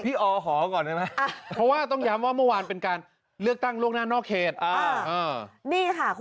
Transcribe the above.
พี่อศก่อนเลยนะ